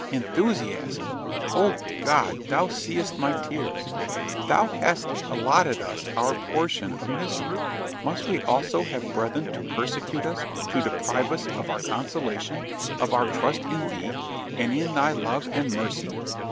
Enthusiasm! O God! thou seest my tears. Thou hast allotted us our portion of misery: must we also have brethren to persecute us, to deprive us of our consolation, of our trust in thee, and in thy love and mercy?